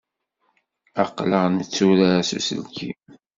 Aql-aɣ netturar s uselkim.